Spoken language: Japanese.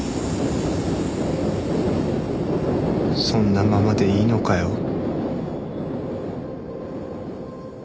そんなままでいいのかよ？